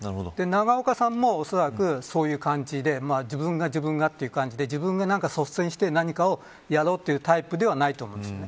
永岡さんもおそらくそういう感じで自分が自分がという感じで自分が率先して何かをやろうというタイプではないと思うんです。